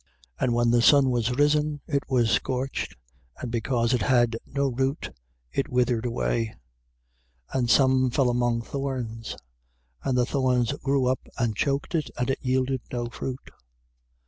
4:6. And when the sun was risen, it was scorched; and because it had no root, it withered away. 4:7. And some fell among thorns; and the thorns grew up, and choked it, and it yielded no fruit.